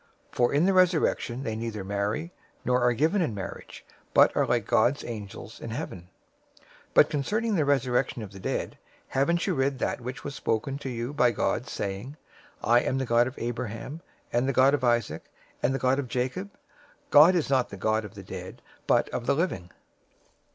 022:030 For in the resurrection they neither marry, nor are given in marriage, but are like God's angels in heaven. 022:031 But concerning the resurrection of the dead, haven't you read that which was spoken to you by God, saying, 022:032 'I am the God of Abraham, and the God of Isaac, and the God of Jacob?'{Exodus 3:6} God is not the God of the dead, but of the living."